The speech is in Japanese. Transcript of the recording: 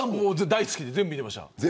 大好きで全部見てました。